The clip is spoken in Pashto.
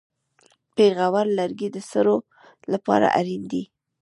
پېغور لرګی د سړو لپاره اړین دی.